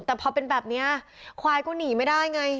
แต่พอเป็นแบบนี้ควายก็หนีไม่ได้ไง